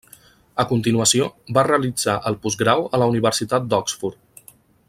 A continuació, va realitzar el postgrau a la Universitat d'Oxford.